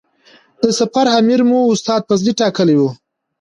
د سفر امر مو استاد فضلي ټاکلی و.